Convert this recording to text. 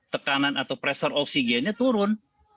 tekanan atau pressure oksigennya turun